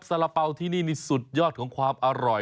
ละเป๋าที่นี่นี่สุดยอดของความอร่อย